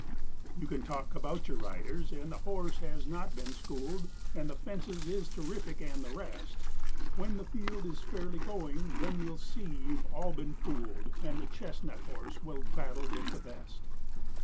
'You can talk about your riders and the horse has not been schooled, And the fences is terrific, and the rest! When the field is fairly going, then ye'll see ye've all been fooled, And the chestnut horse will battle with the best.